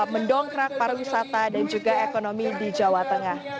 mendongkrak para wisata dan juga ekonomi di jawa tengah